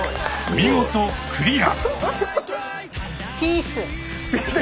見事クリア。